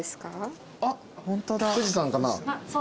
富士山かな。